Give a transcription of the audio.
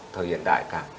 thời hiện đại cả